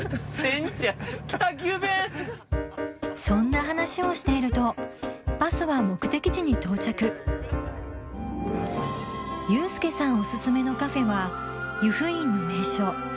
そんな話をしているとバスは目的地に到着ユースケさんおすすめのカフェは湯布院の名所